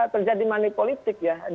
terjadi manipolitik ya